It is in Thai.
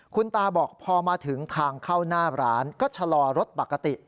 คุณตาบอกพอมาถึงทางเข้าหน้าร้านก็ชะลอรถปกติ